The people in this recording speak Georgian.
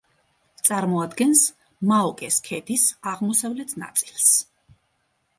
წარმოადგენს მაოკეს ქედის აღმოსავლეთ ნაწილს.